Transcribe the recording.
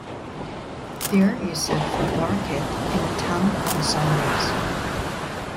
There is a food market in the town on Sundays.